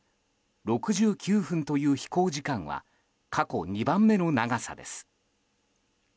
６９分という飛行時間は過去２番目の長さです。